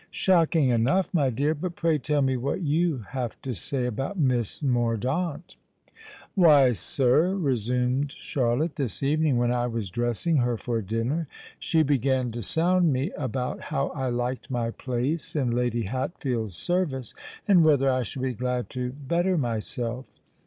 "Shocking enough, my dear. But pray tell me what you have to say about Miss Mordaunt." "Why, sir," resumed Charlotte, "this evening when I was dressing her for dinner, she began to sound me about how I liked my place in Lady Hatfield's service, and whether I should be glad to better myself.